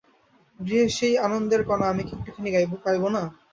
গৃহের সেই আনন্দের কণা আমি কি একটুখানি পাইব না!